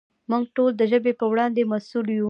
موږ ټول د ژبې په وړاندې مسؤل یو.